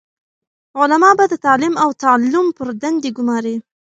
علماء به د تعليم او تعلم پر دندي ګماري،